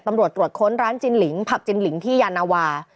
ตำรวจตรวจค้นร้านจินหลิงผับจินหลิงที่ยานาวา